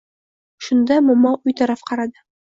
Shunda, momo uy taraf qaradi.